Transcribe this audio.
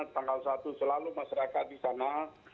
tanggal satu selalu masyarakat di sana